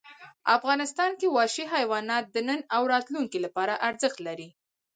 افغانستان کې وحشي حیوانات د نن او راتلونکي لپاره ارزښت لري.